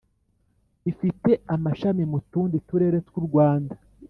Ifite amashami mu tundi turere tw’u Rwanda